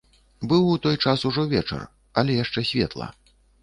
Быў у той час ужо вечар, але яшчэ светла.